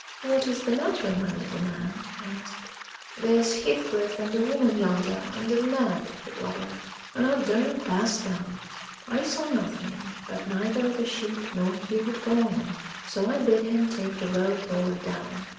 "What is the matter, my little man?" I asked. "They's Heathcliff and a woman yonder, under t' nab," he blubbered, "un' aw darnut pass 'em." I saw nothing, but neither the sheep nor he would go on, so I bid him take the road lower down.